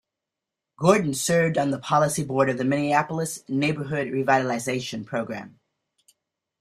Gordon served on the policy board of the Minneapolis Neighborhood Revitalization Program.